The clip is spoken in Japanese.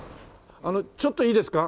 あのちょっといいですか？